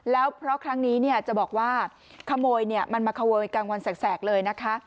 แล้วเพราะครั้งนี้จะบอกว่าขโมยมันมาขโมยกลางวันแสกเลยนะคะ